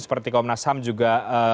seperti kompolnasam juga